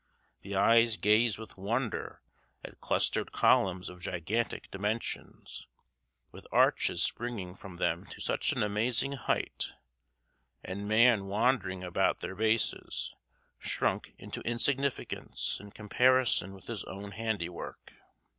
The eyes gaze with wonder at clustered columns of gigantic dimensions, with arches springing from them to such an amazing height, and man wandering about their bases, shrunk into insignificance in comparison with his own handiwork.